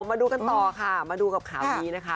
มาดูกันต่อค่ะมาดูกับข่าวนี้นะคะ